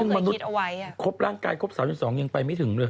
มนุษย์ครบร่างกายครบสามสิบสองยังไปไม่ถึงด้วย